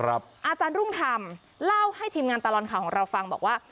อาจารย์รุ่งธรรมเล่าให้ทีมงานตลอดข่าวของเราฟังบอกว่า